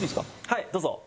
はいどうぞ。